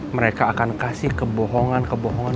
mereka akan kasih kebohongan kebohongan